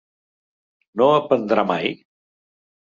No aprendrà mai?